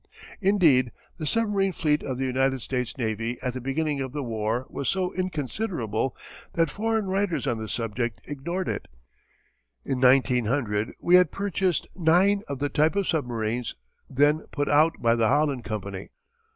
Indeed the submarine fleet of the United States Navy at the beginning of the war was so inconsiderable that foreign writers on the subject ignored it. In 1900 we had purchased nine of the type of submarines then put out by the Holland Company.